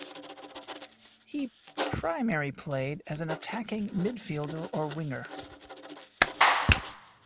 He primary played as an attacking midfielder or winger.